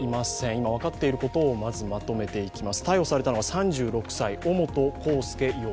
今、分かっていることをまずまとめていきます。